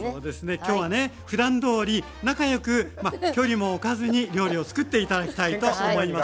今日はねふだんどおり仲良くまあ距離も置かずに料理を作って頂きたいと思います。